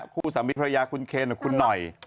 คู่สามีภรรยาคุณเคนกับคุณหน่อย